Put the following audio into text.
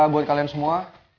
buat kalian semua